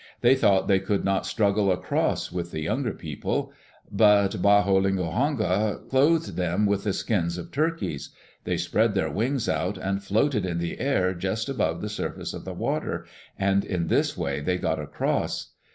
They thought they could not struggle across with the younger people. But Baholihonga clothed them with the skins of turkeys. They spread their wings out and floated in the air just above the surface of the water, and in this way they got across.